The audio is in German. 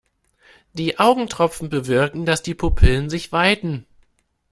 Die Augentropfen bewirken, dass die Pupillen sich weiten.